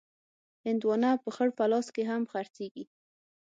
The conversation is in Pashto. هندوانه په خړ پلاس کې هم خرڅېږي.